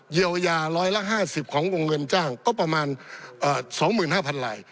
เยียวยา๑๕๐ของวงเงินจ้างก็ประมาณ๒๕๐๐๐ลาย